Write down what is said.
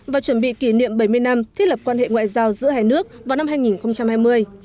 và chuẩn bị kỷ niệm bảy mươi năm thiết lập quan hệ ngoại giao giữa hai nước vào năm hai nghìn hai mươi